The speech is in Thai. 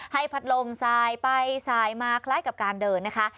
ให้พัดลมสายไปสายมาคล้ายกับการเดินนะคะ